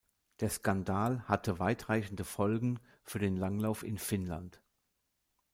Der Skandal hatte weitreichende Folgen für den Langlauf in Finnland.